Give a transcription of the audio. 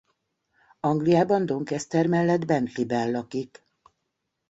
Angliában Doncaster mellett Bentleyben lakik.